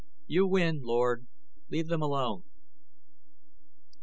"You win, Lord; leave them alone."